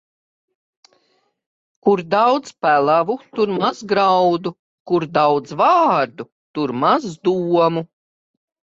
Kur daudz pelavu, tur maz graudu; kur daudz vārdu, tur maz domu.